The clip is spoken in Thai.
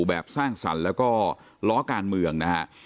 แบบสร้างสรรค์แล้วก็ล้อการเมืองนะฮะ